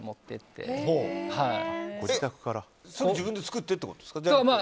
でも、４つくらい自分で作ってってことですか？